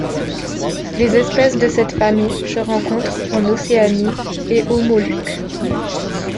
Les espèces de cette famille se rencontrent en Océanie et aux Moluques.